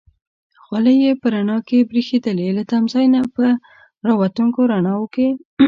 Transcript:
خولۍ یې په رڼا کې برېښېدلې، له تمځای نه په را وتونکو رڼاوو کې.